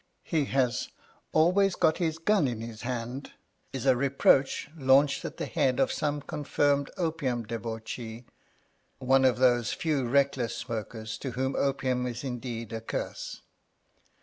He has always got his gun in his hand is a reproach launched at the head of some confirmed opium debauchee, one of those few reckless smokers to whom opium is indeed a curse.